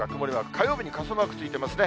火曜日に傘マークついていますね。